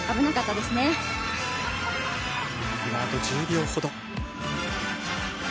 あと１０秒ほど。